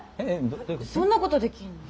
そんなことできんの？